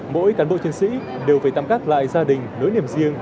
mỗi cán bộ chiến sĩ đều phải tăm cắt lại gia đình nối niềm riêng